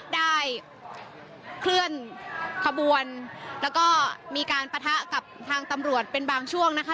ได้เคลื่อนขบวนแล้วก็มีการปะทะกับทางตำรวจเป็นบางช่วงนะคะ